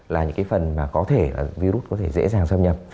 là những cái phần mà có thể là virus có thể dễ dàng xâm nhập